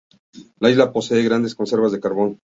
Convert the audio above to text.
La isla posee grandes reservas de carbón.